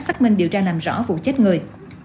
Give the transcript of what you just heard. xác minh điều tra làm rõ vụ chết người